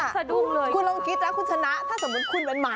คุณลงคิดแล้วคุณชนะถ้าสมมุติคุณเป็นหมา